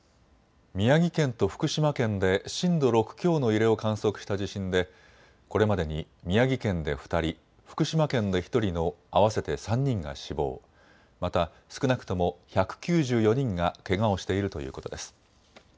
宮城県と福島県で震度６強の揺れを観測した地震でこれまでに宮城県で２人、福島県で１人の合わせて３人が死亡、また、少なくとも１９４人がけがをしているということです。